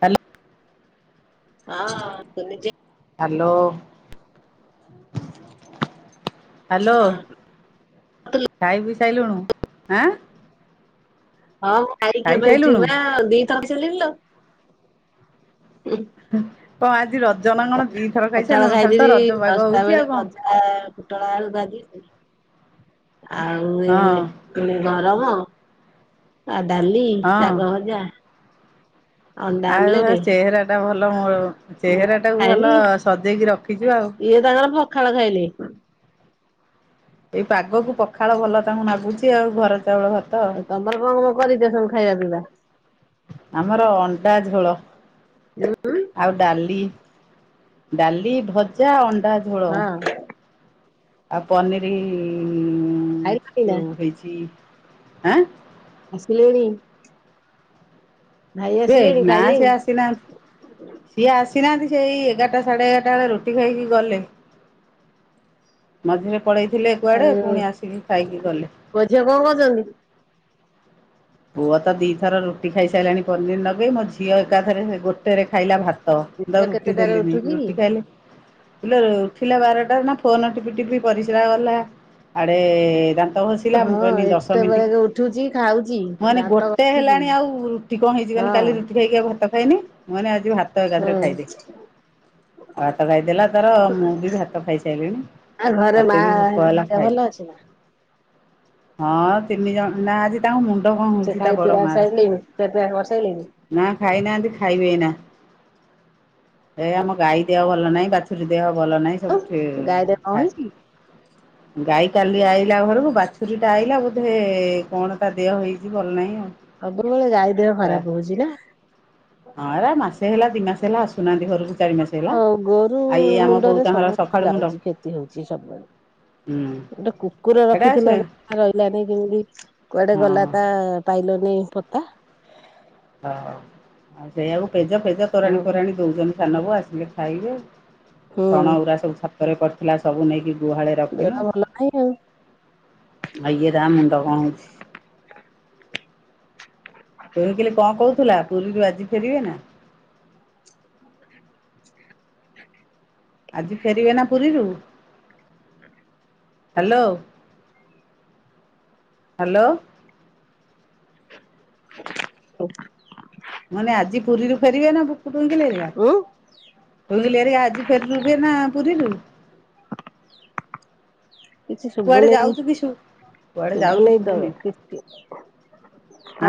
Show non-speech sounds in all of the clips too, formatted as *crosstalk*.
ହାଲ ହଁ। କେମିତି? ହାଲୋ। ହାଲୋ ହଁ ଖାଉଥିଲୁ? ଭାଇ ବି ଖାଇଲୁଣୁ ଆଁ? ହଁ ମୁଁ ଖାଇକି ଏବେ ଖାଇସାଇଲୁଣୁ ଉଠିଲି ବା ଦି *unintelligible* ଉହୁଁ। କଣ ଆଜି ର? ପଖାଳ ଖାଇଦେବି ପାଗ ଦଶଟା ହଉଛି ଆଉ ବେଳେ କଣ ଭଜା ପୁଟଳ ଆଳୁ ଭାଜି। ଆଉ ଏ ହଁ ମେ ଗରମ। ଆଉ ଡାଲି ହଁ ଶାଗ ଭଜା। ଅଣ୍ଡା ଆଉ ଏ ଆମଲେଟ ଚେହେରା ଟା ଭ ଭଲ ଭାବ। ମୁଁ ଚେହେରା ଟାକୁ ଖାଇନି ଭଲ ସଜେଇକି ରଖିଚୁ ଆଉ। ଇଏ ତାଙ୍କର ପଖାଳ ଖାଇଲେ ଏଇ ପାଗକୁ ପଖାଳ ଭଲ ତାଙ୍କୁ ନାଗୁଛି ଆଉ ଘର ଚାଉଳ ଭାତ ଆଉ। କରିଚ ସବୁ ଖାଇବା ପିବା? ଆମର ଅଣ୍ଡା ଝୋଳ। ଆଉ ଡାଲି। ଡାଲି ଭଜା ଅ ଝୋଳ। ହଁ ଆଉ ପନିରି। ଉମ ଖାଇଲଣି ନା ଯେଉଁ ହେଇଛି। ଆଁ। ଆସିଲେଣିି। ଏ ନା ସେ ଆସିନାହାନ୍ତି ସିଏ ଆସ ନାହାନ୍ତି ସେଇ ଏଗାରଟା ସାଢେ ଏଗାରଟା ବେଳେ ରୁଟି ଖାଇକି ଗଲେ ମଝିରେ। ପଳେଇଥିଲେ କୁଆଡେ ଆଉ ପୁଣି ଆସିକି ଖାଇକି ଗଲେ। ପୁଅ ଝିଅ କଣ କରୁଛନ୍ତି? ପୁଅ ତ ଦିଥର ରୁଟି ଖାଇସାରିଲାଣି ପନିର ନଗେଇ ମୋ ଝିଅ ଏକାଥରେ ଗୋଟେରେ ଖାଇଲା ଭା ତ ମୁଁ ତାକୁ ଝିଅ ରୁଟି କେତେଟାରେ ଦେଲିିନି ଉଠୁଛି? ରୁଟି ଖାଇଲେ। କିଲୋ ଉଠିଲା ବାରଟା ନା ଫୋନ ଟିପି ଟିପି ପରିସ୍ରା ଗଲା ଆଡେ ଦା ହଁ ଏତେ ବେଳେକେ ଉଠୁଛି ଖାଉଛି। ମାନେ ଦାନ୍ତ ଗୋଟେ ଘଷୁଛି ହେଲାଣି ଆଉ ରୁଟି କଣ ହେଇଛି କହନି ହଁ କାଲି ରୁଟି ଖାଇକୀ ଆ ଭାତ ଖାଇନି ମୁଁ କହିନି ଆଜି ଭା ଭାତ ଏକାଥରେ ହୁଁ ଖାଇଦେ ଆଉ ଭାତ ଖାଇଦେଲା ତାର ମୁଁ ବି ଭାତ ଖାଇସାରିଲିଣି ଆଉ ଘରେ ମତେ ମା ବି ଭୋକ ହେଲା ଦେହ ଭଲ ଖାଇଦେ। ଅଛି ନା? ହଁ ତିନି ଜଣ ନା ଆଜି ତାଙ୍କ ମୁ କଣ ସେ ହଉଛି ତା ଖାଇ ବଡ ପିଇବା ମାର ସାରିଲେଣି ଖିଆ ପିଆ କରିସାରିଲେଣି ନା ଖାଇନାହାନ୍ତି ଖାଇବେ ଏଇନା। ଏ ଆମ ଗାଈ ଦେହ ଭଲ ନାହିଁ ବାଛୁରୀ ଦେହ। ଭଲ ନାହିଁ ସବୁ ଠି ଗାଈ ଦେହ କଣ ଖାଏ ହେଇଛି? ଗାଈ କାଲି ଆଇ ପିଲା ଘରକୁ ବାଛୁରୀ ଟା ଆଇଲା ବୋଧେ କଣ ତା ଦେହ ହେଇ କିଛି ଭଲ ନାହିଁ ଆଉ। ସବୁବେଳେ ଗାଈ ଦେହ ଖରାପ ହଉଛି ନା ହଁ ଏରା ମାସେ ହେଲା ଦି ମାସ ହେଲା ଆସୁନାହାନ୍ତି ଘରକୁ। ଚାରି ମାସ ହେଲା ହଁ ଗୋରୁ ଆଉ ଏଇ ଆମ ବୋଉ ମୁଣ୍ଡରେ ତାଙ୍କର ସକାଳୁ ସବୁବେଳେ ମୁଣ୍ଡ ଯାଉଛି କ୍ଷତି ହଉଛି ସବୁବେଳେ ହୁଁ ଗୋଟେ କୁକୁର ଏଟା ସେ ରଖିଥିଲେ ଜମା ରହିଲାନି କେମିତି କୁଆଡେ ହଁ ଗଲା ତା। ପାଇଲନି ପତା। ହଉ ଆଉ ସେଇଆଉକୁ। ପେଜ ଫେଜ ତୋରାଣୀ ଆଉ ଫୋରାଣୀ ଦଉଛନ୍ତି। ସା-ନବୁ ଆସିଲେ ଖାଇବେ। ହୁଁ ଛଣଗୁଡା ସବୁ ଛାତରେ କରି ଥିଲା ସବୁ ନେଇକି ଗୁହାଳେ ବେଳ ରଖିଲୁ ଭଲ ନାହିଁ ଆଉ ଆ ଇଏ ତା ମୁଣ୍ଡ କଣ ହଉଛି। *unintelligible* କହୁଥିଲା ପୁରୀରୁ ଆଜି ଫେରିବେ ନା? *inaudible* ଆଜି ଫେରିବେ ନା ପୁରୀରୁ? Hello hello. *inaudible* ମାନେ ଆଜି ପୁରୀରୁ ଫେରିବେ ନା ପୁ ଟୁଇକିଲି ହେରିକା ଉଁ ଟୁଇକିଲି ହରିକା ଆଜି ଫେରିବେ ନା ପୁରୀରୁ? କିଛି ଶୁଭୁ କୁଆଡେ ନାଇଁ ଯାଉଛୁ କିଶୁ କୁଆଡେ ଶୁଭୁ ଯାଉଛୁ ନାଇଁ ତ ଶୁଭୁନି କିଛି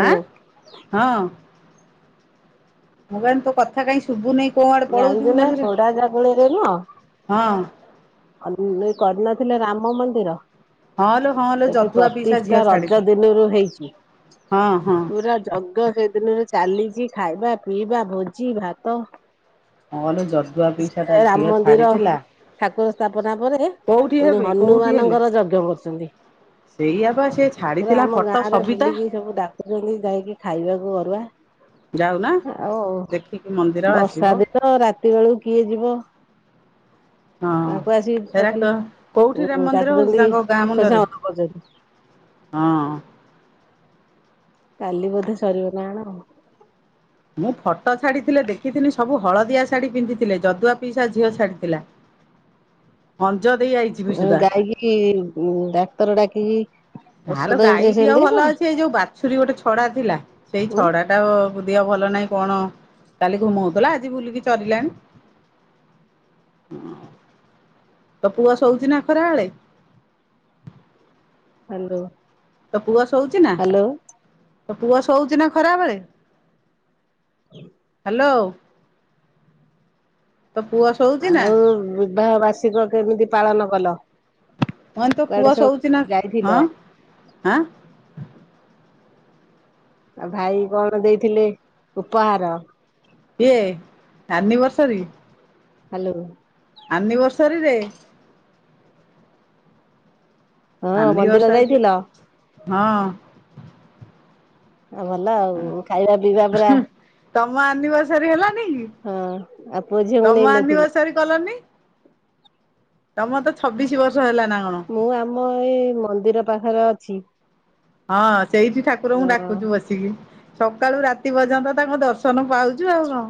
ଆଁ ହଁ ମୁଁ କହିଲି ତୋ କଥା କାଇଁ ଶୁଭୁନି। କୋଉ ଆଡେ ପଳଉଛୁ କି *unintelligible* ମଝିରେ ରେ ନୁହଁ ହଁ ଆ ଏ କରିନଥିଲେ ରାମ ମନ୍ଦିର। ହଁ ଲୋ ହଁ ଲୋ ସେଠି ଯଦୁଆ ପିଇସା ଝିଅ ପ୍ରତିଷ୍ଠା ରଜ ଛାଡିଥିଲା ଦିନରୁ ହେଇଛି। ହଁ ହଁ ପୁରା ଯୋଗ ସେଦିନରୁ ଚାଲିଛି। ଖାଇବା, ପିଇବା, ଭୋଜି ଭାତ। ହଁ ଲୋ ଜଦୁଆ ପିଇସା ତା ସେ ଝିଅ ଛାଡିଥିଲା। ପନା ପରେ କୋଉଠି ପୁଣି ହେବେ କୋଉଠି ହେଲେ ହନୁମାନଙ୍କର ଯଜ୍ଞ କରୁଛନ୍ତି। ସେଇଆ ବା ସେ ପୁରା ଛାଡିଥିଲା ଆମ ଫଟୋ ଗାଁ ରେ ସବିତା ବୁଲିକି ସବୁ ଡାକୁଛନ୍ତି ଯାଇକି ଖାଇ ଖାଇବାକୁ ଅରୁଆ। ଯାଉନା ଆଉ ଦେଖିକି ମନ୍ଦିର ଆସିବ ବର୍ଷା ଦିନ ରାତି ବେଳକୁ କିଏ ଯିବ। ହଁ ତାଙ୍କୁ ଆସିକି ଏରା ସକାଳେ କ କୋଉଠି ରାମ ମନ୍ଦିର ହଉଛି ଡାକୁଛନ୍ତି ତାଙ୍କ ଗାଁ ଖୋସା ମୁଣ୍ଡରେ ମତ କରୁଛନ୍ତି ହଁ। କାଲି ବୋଧେ ସରିବ ନା କଣ? ମୁଁ ଶାଢ଼ୀ ପିନ୍ଧିଥିଲେ ଯଦୁଆ ପିଇସା ଝିଅ ଛାଡିଥିଲା। ଅନ୍ ଗାଇକି ଇ ଡାକ୍ତର ଡାକିକି ନା ଲୋ ଔଷଧ ଗାଈ ଦିହ ଇଞ୍ଜେକ୍ସନ ଦେଇଛ ଭଲ ନା? ଅଛି। ଏଇ ଯୋଉ ବାଛୁରୀ ଗୋଟେ ଛଡା ଥିଲା। ସେଇ ଉଁ ଛଡା ଟା ଦିହ ଭଲ ନାଇଁ କଣ କାଲି ଘୁମଉଥିଲା ଆଜି ବୁଲିକି ଚରିଲାଣି। ହଁ ତ ପୁଅ ଶୋଉଛି ନା ଖରାବଳେ? ହାଲୋ। ତୋ ପୁଅ ଶୋଉଚି ନା? ହାଲୋ ତ ପୁଅ ଶୋଉଛି ନା ଖରାବେଳେ? *inaudible* ହାଲୋ। ଆଉ ବିବାହ ବାର୍ଷିକ କେମିତି ପାଳନ କଲ? ମାନେ ତ କୁଆଡେ ପୁଅ ସବୁ ଶୋଉଛି ନା ଯାଇଥିଲ? ହଁ ହାଁ? ଆଉ ଭାଇ କଣ ଦେଇଥିଲେ ଉପହାର? ଇଏ ଆନିିବର୍ସରି। ହାଲୋ। ଆନିଭର୍ସରୀ ରେ? ହଁ ମନ୍ଦିର ଅନିବର୍ଷରିରେ ଯାଇଥିଲ? ହଁ ଆ ଭଲ ଆଉ ଖାଇବା ପିଇବା ପୁରା ତମ ଆନିବସରୀ ହେଲାନ୍ ହଁ ଆଉ ପୁଅ ଝିଅ କୁ ନେଇଁ ନ ଥିଲ? ଆନିଭର୍ସରୀ କଲନି ତମର ତ ଛବିଶି ବର୍ଷ ହେଲା ନା କଣ ମୁଁ ଆମ ଏଇ ମନ୍ଦିର ପାଖରେ ଅଛି। ହଁ ସେଇଠି ଠାକୁରଙ୍କୁ ହଁ ଡାକୁଛୁ ବସିକି। ସକାଳୁ ରାତି ଏତି ପର୍ଯ୍ୟନ୍ତ ତାଙ୍କ ଦର୍ଶନ ପାଉଚୁ, ଆଉ କଣ?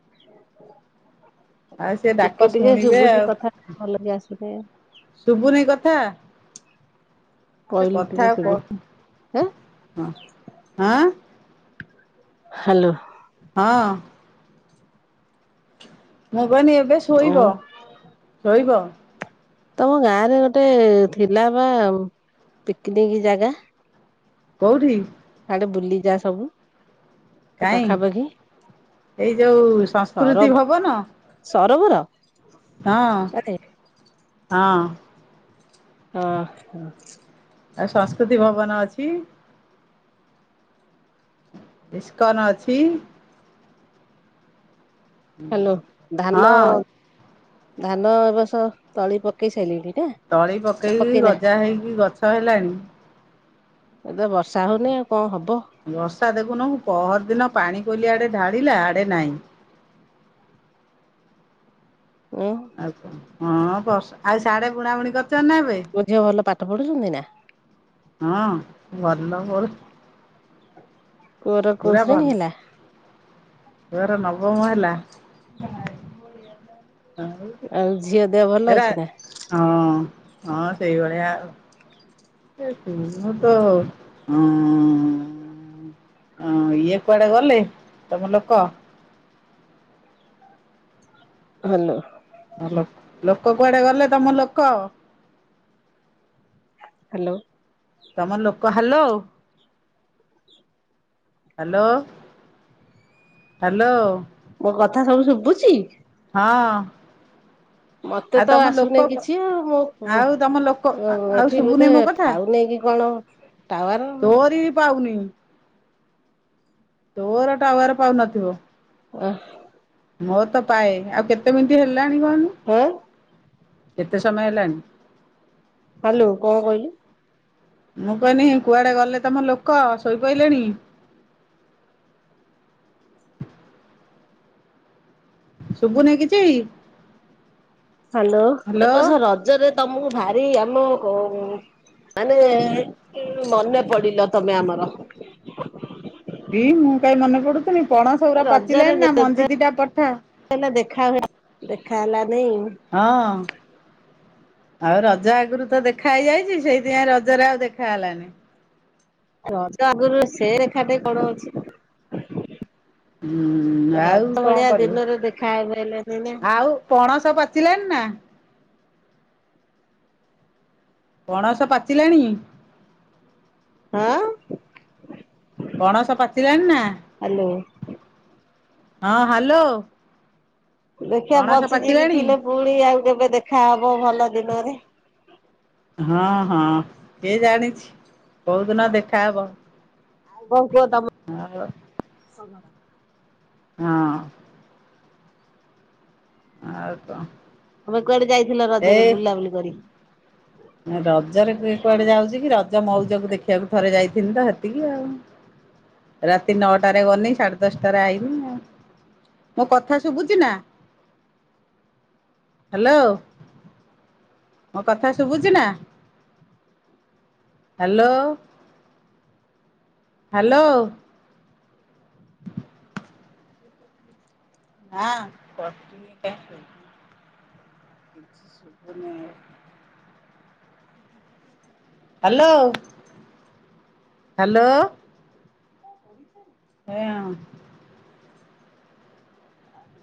*inaudible* ଆଉ ସେ ଟିକେ ଡାକ ଟିକେ ଶୁଣିବେ ଶୁଭୁଛି ଆଉ କଥା ଭଲକି ଆସୁନି। ଶୁଭୁନି କଥା? ସେ କହିଲି କଥା ଟିକେ ଆଉ କ ଶୁଭୁନି। ହଁ ହଁ ହାଲୋ। ହଁ। ମୋମ୍ *unintelligible* ଭାନି *unintelligible* ଏବେ ଆଉ ଶୋଇବ ଶୋଇବ? ତମ ଗାଁ ରେ ଗୋଟେ ଥିଲା ପା ପିକନିକ ଜାଗା? କୋଉଠି? ବୁଲି ଯା ସବୁ ସେ କାହିଁ ପାଖାପାଖି ଏଇ ଯୋଉ ସଂସ୍କୃତି ସରବ ଭବନ? ସରୋବର ହଁ। ଆରେ ହଁ। ହଁ ଆ ସଂସ୍କୃତି ଭବନ ଅଛି। କି ଇସ୍କନ୍ ଅଛି। ହାଲୋ ଧାନ। ହଁ ଧାନ ଏବସ ତଳି ପକେଇ ସାଇଲିଣି। ତଳି ପକେଇକି ଗଜା ହେଇକି ଗଛ ହେଲାଣି। ଏବେ ବର୍ଷା ହଉନି ଆଉ କଣ ହବ ବର୍ଷା ଦେଖୁନୁ ପହର ଦିନ ପାଣି ବୋଲି ଆଡେ ଢାଣିଲା ଆଡେ ନାଇଁ। ଓ। ଆଉକଁ ହଁ ବର୍ ଆଉ ସାଡେ ବୁଣା ବୁଣି କରି ମୋ ଝିଅ ଭଲ ପାଠ ପଢୁଛନ୍ତି ନା? ହଁ ଭଲଲ ପଡୁଚି। *inaudible* ପୁଅର କୋଉ ଶ୍ରେଣୀ ହେଲା? *unintelligible* ନବମ ହେଲା। ଆଉ ଝିଅ? ଦେହ ଭଲ ଏରା ଅଛି ନା ହଁ। ହଁ ସେଇଭଳିଆଉ ମୁଁ ତ ଅଁ ଇଏ କୁଆଡେ ଗଲେ ତମେ ଲୋକ ହାଲୋ। ଲୋକ କୁଆଡେ ଗଲେ ତମ ଲୋକ କ ହାଲୋ। ତମ ଲୋକ ହାଲୋ ହାଲୋ ହାଲୋ। ମୋ କଥା ସବୁ ଶୁଭୁଛି ହଁ। ମତେ ଆଉ ତ ତମ ଲୋକ ଆସୁନି କିଛି ଆଉ ମୁଁ ଆଉ ତମ ଲୋକ ଆଉ ଏଠି ଶୁଭୁନି ବୋଧେ ମୋ କଥା ପାଉନି କି କଣ ଟାୱାର ତୋରି ବି ପାଉନି ତୋର ଟାୱାର ପାଉନାଥିବ ଅ ମଁ ତ ପାଏ ଆଉ କେତେ ମିନିଟ୍ ହେଲାଣି କଣ? ଆଁ କେତେ ସମମୟଲାଣି ହାଲୋ କଣ କହିଲୁ? ମୁଁ କହିଲି କୁଆଡେ ଗଲେ ତମ ଲୋକ ଶୋଇପହଡିଲେଣି ଶୁଭୁନି କିଛି। ହାଲୋ ଏ ହାଲୋ ବର୍ଷ ରଜରେ ତମକୁ ଭାରି ଆମ ଓ ମାନେ ମନେ ପଡିଲ ତମେ ଆମର କିଇ ମୁଁ କାଇଁ ମନେ ପଡୁଛି। ପଣସ ର ରଜରେ ପାଚିଲେଣି ନା ଯେତେ ମଞ୍ଜି ଦିଟା ପଠା ହେଲେ ଦେଖା ହୁଏ ଦେଖା ହେଲା ନାଇଁ ହଁ। ଆଉ ରଜ ଆଗରୁ ତ ଦେଖା ହେଇଯାଇଛି ସେଇଥିପାଇଁ ରଜରେ ଆଉ ଦେଖା ହେଲାନି ରଜ ଆଗରୁ ସେ ରେଖାଟା କଣ ଅଛି। ହୁଁ ରଜ ଆଉ କଣ ଭଳିଆ କରିବୁ ଦିନରେ ଦେଖା ହେଇପାରିଲାନି ନା ଆଉ ପଣସ ପଚିଲେଣିି ନା ପଣସ ପାଚିଲାଣି ହଁ। ପଣସ ପାଚିଲଣି ନା ହ୍ୟାଲୋ ହଁ ହାଲୋ। ଦେଖିବା ବଞ୍ଚିଯକି ଥିଲେ ପୁଣି ଆଉ କେବେ ଦେଖାହବ ଭଲ ଦିନରେ ହଁ। ହଁ ହଁ କିଏ ଜାଣିଛି କୋଉ ଦିନ ଦେଖାହବ। ଆଉ କଣ କୁହ ଆଉ ତମର। ହଁ। ଆଉ ତ। ତୁମେ କୁଆଡେ ଯାଇଥିଲ ରଜରେ ବୁଲାବୁଲି କରିି? ରଜରେ କିଏ କୁଆଡେ ଯାଉଛି କି ରଜ ଜ ମଉଜକୁ ଦେଖିବାକୁ ଥରେ ଯାଇଥଥିଲି ତ ହେତିକି ଆଉ ରାତି ନଅଟାରେ ଗନି ସାଢ଼େ ଦଶଟାରେ ଆଇନି ଆଉ ମୋ କଥା ଶୁଭୁଛି ନା ହାଲୋ। ମୋ କଥା ଶୁଭୁଛି ନା ହାଲୋ ହାଲୋ। ନା କଷ୍ଟା ସୁବୁନି। Hello hello. ହଁ।